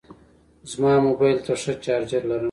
زما موبایل ته ښه چارجر لرم.